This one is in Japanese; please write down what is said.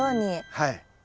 はい。